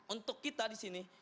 untuk kita disini